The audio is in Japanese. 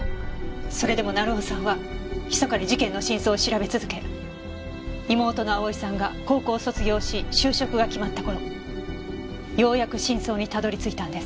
それでも成尾さんは密かに事件の真相を調べ続け妹の蒼さんが高校を卒業し就職が決まった頃ようやく真相にたどり着いたんです。